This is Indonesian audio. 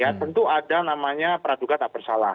ya tentu ada namanya praduga tak bersalah